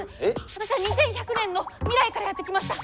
私は２１００年の未来からやって来ました。